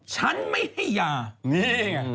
ฉันไม่ให้ยานี่ไง